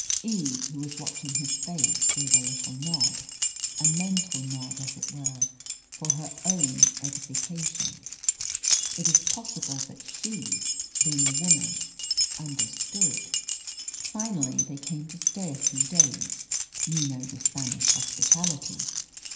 Eve, who was watching his face, gave a little nod a mental nod, as it were, for her own edification. It is possible that she, being a woman, understood. "Finally they came to stay a few days you know the Spanish hospitality.